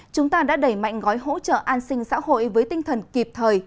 chúng ta đã đẩy mạnh gói hỗ trợ an sinh xã hội với tinh thần kịp thời